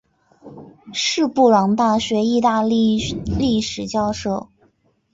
是布朗大学意大利历史教授。